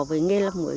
với nghề làm muối